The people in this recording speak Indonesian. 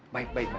baik baik baik